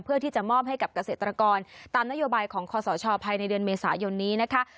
เพื่อที่จะมอบให้กับเกษตรกรตามนโยบายของคอสชภายในเดือนเมษายนนี้นะคะ